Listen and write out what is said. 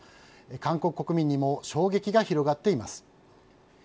韓国国民にも衝撃が広まっています。